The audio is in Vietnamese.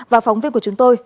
và phóng viên của chúng tôi